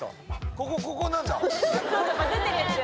ここここここ何だ？